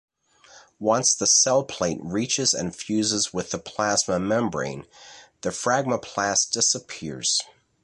Once the cell plate reaches and fuses with the plasma membrane the phragmoplast disappears.